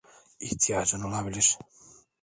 İhtiyacın olabilir.